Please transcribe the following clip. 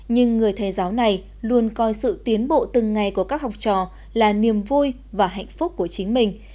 nhưng người thầy giáo này luôn coi sự tiến bộ từng ngày của các học trò là niềm vui và hạnh phúc của chính mình